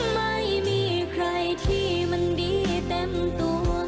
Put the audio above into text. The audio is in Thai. ไม่มีใครที่มันดีเต็มตัว